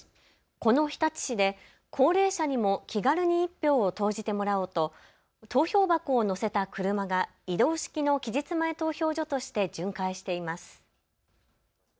この日立市で高齢者にも気軽に１票を投じてもらおうと投票箱を乗せた車が移動式の期日前投票所として巡回しています。